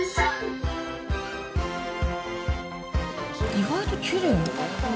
意外ときれい。